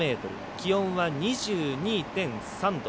気温は２２．３度。